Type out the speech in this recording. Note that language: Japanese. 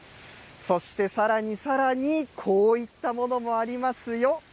そして、さらにさらに、こういったものもありますよ。